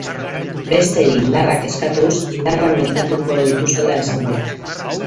Besteei indarrak eskatuz indarrak metatuko dituztela esan du.